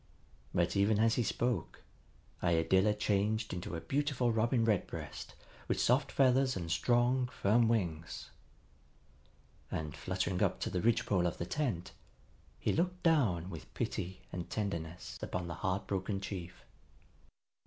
But, even as he spoke, Iadilla changed into a beautiful Robin Redbreast with soft feathers and strong, firm wings. And, fluttering up to the ridgepole of the tent, he looked down with pity and tenderness upon the heart broken chief.